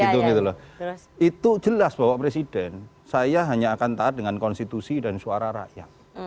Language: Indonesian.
itu jelas bapak presiden saya hanya akan taat dengan konstitusi dan suara rakyat